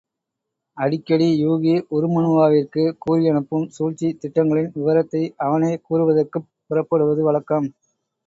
அடிக்கடி யூகி, உருமண்ணுவாவிற்குக் கூறியனுப்பும் சூழ்ச்சித் திட்டங்களின் விவரத்தை அவனே கூறுவதற்குப் புறப்படுவது வழக்கம்.